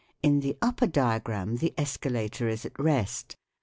In the upper diagram the escalator is at rest.